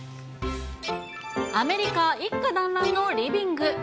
アメリカ、一家団らんのリビング。